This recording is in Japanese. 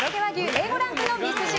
Ａ５ランクのミスジ